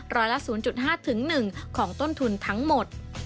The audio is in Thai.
ร้อยละ๐๕๑ของต้นทุนทั้งหมด